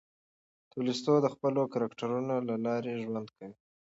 تولستوی د خپلو کرکټرونو له لارې ژوند کوي.